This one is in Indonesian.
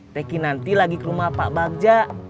teki nanti lagi ke rumah pak bagja